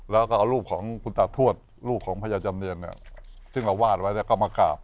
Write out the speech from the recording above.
แล้วก็เอารูปของคุณตาทวดรูปของพญาจำเนียนเนี่ยซึ่งเราวาดไว้เนี่ยก็มากราบ